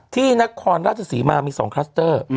ที่นักครรภ์รัฐศรีมามีสองคลัสเตอร์